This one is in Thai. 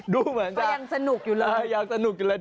ดูเหมือนจะยังสนุกอยู่เลย